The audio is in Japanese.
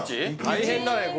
大変だね